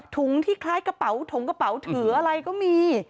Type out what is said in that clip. ที่คล้ายกระเป๋าถงกระเป๋าถืออะไรก็มี